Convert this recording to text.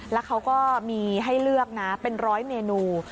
แล้วเขาก็มีให้เลือกนะเป็นร้อยเมนู